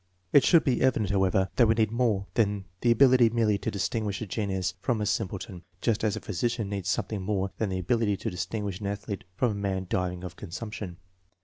It should be evident, however, that we need more than the ability merely to distinguish a genius from a simple ton, just as a physician needs something more than the ability to distinguish an athlete from a man dying of con sumption.